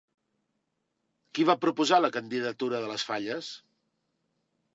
Qui va proposar la candidatura de les Falles?